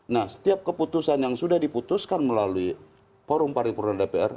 nah setiap keputusan yang sudah diputuskan melalui forum paripurna dpr